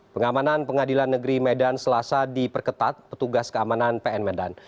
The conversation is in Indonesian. pengamanan pengadilan negeri medan selasa diperketat petugas keamanan pn medan